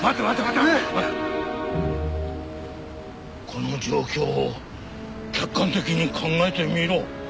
この状況を客観的に考えてみろ。